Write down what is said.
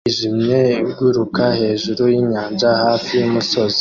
yijimye iguruka hejuru yinyanja hafi yumusozi